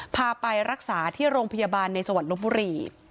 พาไปรักษาที่โรงพยาบาลในจังหวัดลบบุรี